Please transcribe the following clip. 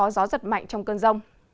gió giật mạnh trong cơn rông